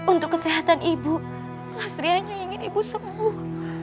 untuk kesehatan ibu lasri hanya ingin ibu sembuh